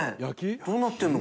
どうなってるの？